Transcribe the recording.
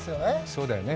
そうだよね。